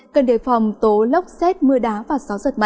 cần đề phòng tố lốc xét mưa đá và sông